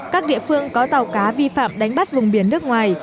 các địa phương có tàu cá vi phạm đánh bắt vùng biển nước ngoài